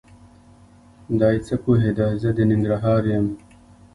دی څه پوهېده زه د ننګرهار یم؟!